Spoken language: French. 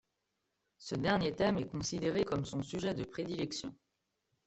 Ce dernier thème est considéré comme son sujet de prédilection.